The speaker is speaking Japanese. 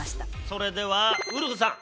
それではウルフさん。